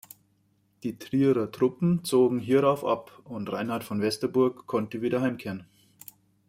Die Trierer Truppen zogen hierauf ab, und Reinhard von Westerburg konnte wieder heimkehren.